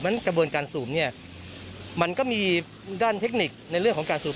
กระบวนการสูบเนี่ยมันก็มีด้านเทคนิคในเรื่องของการสูบ